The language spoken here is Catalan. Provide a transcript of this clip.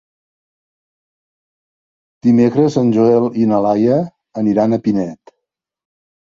Dimecres en Joel i na Laia aniran a Pinet.